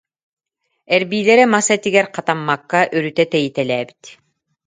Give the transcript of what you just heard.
Эрбиилэрэ мас этигэр хатаммакка, өрүтэ тэйитэлээбит